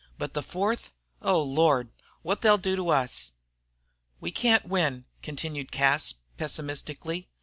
But the Fourth! Oh, Lord! What they'll do to us!" "We can't win," continued Cas, pessimistically.